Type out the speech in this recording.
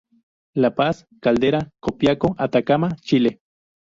La Paz, Caldera, Copiapó, Atacama, Chile.